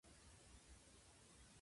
彼は言った、元気か。